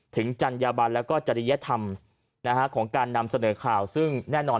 จัญญาบันแล้วก็จริยธรรมของการนำเสนอข่าวซึ่งแน่นอน